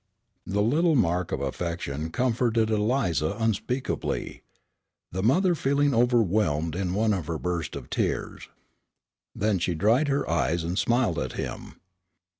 The little mark of affection comforted Eliza unspeakably. The mother feeling overwhelmed her in one burst of tears. Then she dried her eyes and smiled at him.